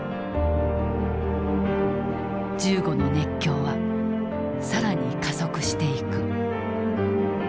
銃後の熱狂は更に加速していく。